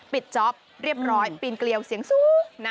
จ๊อปเรียบร้อยปีนเกลียวเสียงสูงนะ